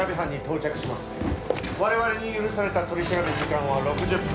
我々に許された取り調べ時間は６０分。